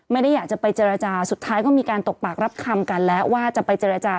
ไม่ได้อยากจะไปเจรจาสุดท้ายก็มีการตกปากรับคำกันแล้วว่าจะไปเจรจา